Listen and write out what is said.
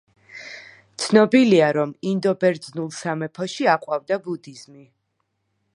ცნობილია, რომ ინდო–ბერძნულ სამეფოში აყვავდა ბუდიზმი.